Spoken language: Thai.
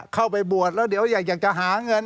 เข้าไปบวชแล้วเดี๋ยวอยากจะหาเงิน